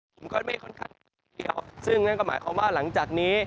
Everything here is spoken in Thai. กลุ่มก้อนเมฆค่อนข้างเกี่ยวซึ่งนั่นก็หมายความว่าหลังจากนี้